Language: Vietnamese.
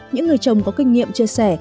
những người trồng có kinh nghiệm chia sẻ